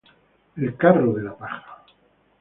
El "carro" de la paja.